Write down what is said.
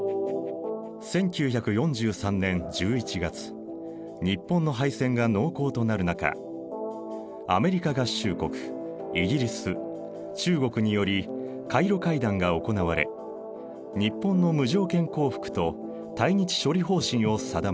１９４３年１１月日本の敗戦が濃厚となる中アメリカ合衆国イギリス中国によりカイロ会談が行われ日本の無条件降伏と対日処理方針を定めた。